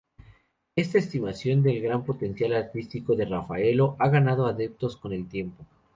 Esta estimación, del gran potencial artístico de Raffaello, ha ganado adeptos con el tiempo.